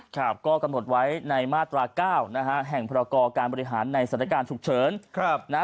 ตามในมาตราพรก